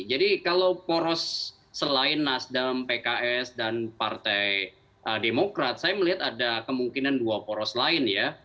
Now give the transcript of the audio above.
jadi kalau poros selain nasdem pks dan partai demokrat saya melihat ada kemungkinan dua poros lain ya